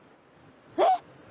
えっ！？